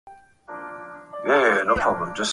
Banakatala kuba ripa juya bariiba kukampuni